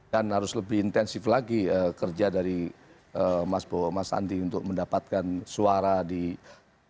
dan harus lebih intensif lagi kerja dari mas andi untuk mendapatkan suara di jokowi